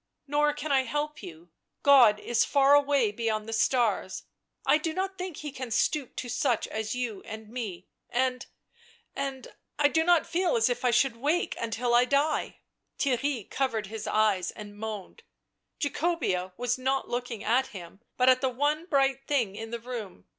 Nor can I help you; God is far away beyond the stars. I do not think He can stoop to such as you and me — and — and — I do not feel as if I should wake until I die " Theirry covered his eyes and moaned. Jacobea was not looking at him, but at the one bright thing in the room.